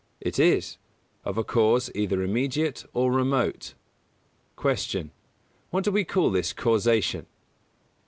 It is; of a cause either immediate or remote. 137. Q. _What do we call this causation?